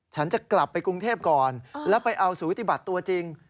ฉันจะกลับไปกรุงเทพก่อนแล้วไปเอาสูติบัติตัวจริง